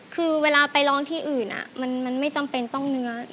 คือเวลาไปร้องที่อื่นมันไม่จำเป็นต้องเนื้อ